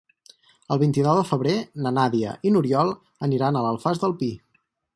El vint-i-nou de febrer na Nàdia i n'Oriol aniran a l'Alfàs del Pi.